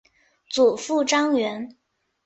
祖父张员。